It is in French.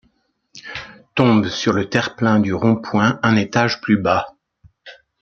Tombe sur le terre-plein du rond-point un étage plus bas.